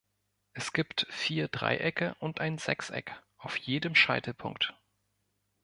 Es gibt vier Dreiecke und ein Sechseck auf jedem Scheitelpunkt.